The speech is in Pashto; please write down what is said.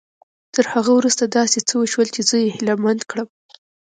تر هغه وروسته داسې څه وشول چې زه يې هيλε مند کړم.